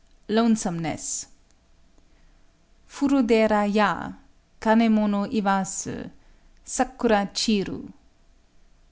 LONESOMENESS Furu dera ya: Kané mono iwazu; Sakura chiru.